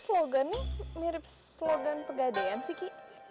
slogan ini mirip slogan pegadaian sih ki